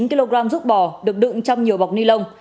hai mươi chín kg ruốc bò được đựng trong nhiều bọc ni lông